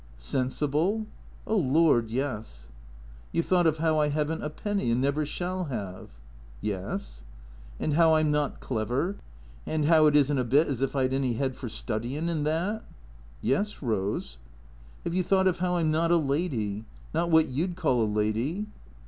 '' "Sensible?" "Oh, Lord, yes." " You 've thought of how I have n't a penny and never shall have?" " Yes." " And how I 'm not clever, and how it is n't a bit as if I 'd any head for studyin' and that ?" "Yes, Eose." " Have you thought of how I 'm not a lady ? Not what you 'd call a lady